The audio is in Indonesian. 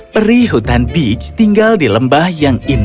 perihutan beach tinggal di lembah yang terkenal